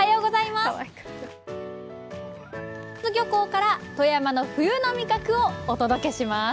魚津漁港から富山の冬の味覚をお届けします。